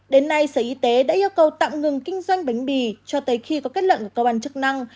đến nay sở y tế đã yêu cầu tạm ngừng kinh doanh bánh mì cho tới khi có kết luận của cơ quan chức năng